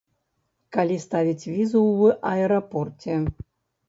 Калі ставіць візу ў аэрапорце.